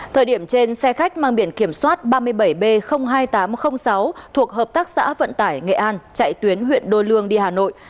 thời điểm trên xe khách mang biển kiểm soát ba mươi bảy b hai nghìn tám trăm linh sáu thuộc hợp tác xã vận tải nghệ an chạy tuyến huyện đôi lương đi hà nội